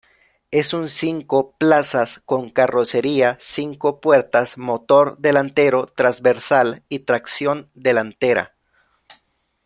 Es un cinco plazas con carrocería cinco puertas, motor delantero trasversal y tracción delantera.